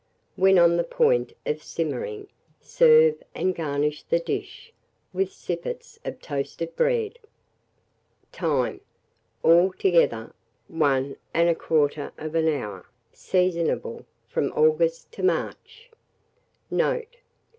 When on the point of simmering, serve, and garnish the dish with sippets of toasted bread. Time. Altogether 1 1/4 hour. Seasonable from August to March. Note.